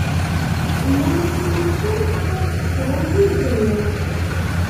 Nnan-as i wuccen ax ad tekseḍ ulli, yettru.